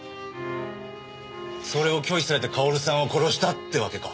それを拒否されて薫さんを殺したってわけか？